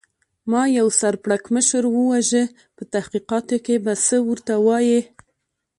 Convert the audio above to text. ما یو سر پړکمشر و وژه، په تحقیقاتو کې به څه ورته وایې؟